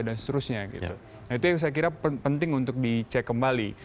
nah itu yang saya kira penting untuk dicek kembali